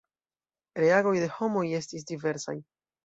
Reagoj de homoj estis diversaj.